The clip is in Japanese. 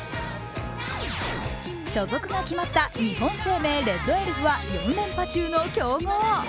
所属が決まった日本生命レッドエルフは４連覇中の強豪。